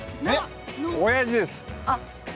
おやじです。